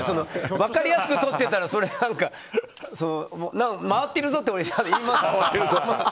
分かりやすく、とってたら回っているぞって俺、言いますよ。